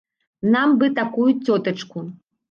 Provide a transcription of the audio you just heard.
Нам бы такую цётачку!